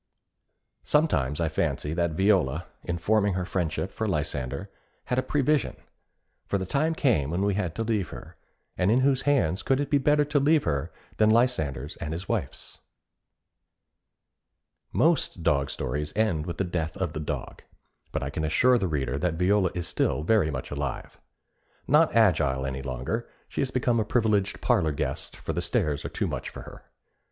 Sometimes I fancy that Viola, in forming her friendship for Lysander, had a prevision; for the time came when we had to leave her, and in whose hands could it be better to leave her than Lysander's and his wife's? Most dog stories end with the death of the dog, but I can assure the reader that Viola is still very much alive. Not agile any longer, she has become a privileged parlor guest, for the stairs are too much for her.